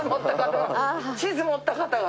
地図持った方が。